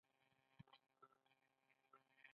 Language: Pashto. د علامه رشاد لیکنی هنر مهم دی ځکه چې اسناد وړاندې کوي.